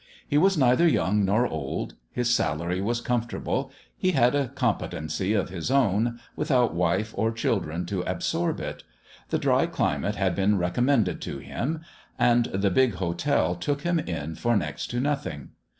He was neither young nor old; his salary was comfortable; he had a competency of his own, without wife or children to absorb it; the dry climate had been recommended to him; and the big hotel took him in for next to nothing.